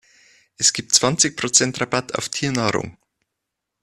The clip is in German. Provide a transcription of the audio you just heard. Es gibt zwanzig Prozent Rabatt auf Tiernahrung.